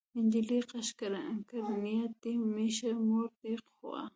نجلۍ غږ کړ نيا دې مېښه مور دې غوا.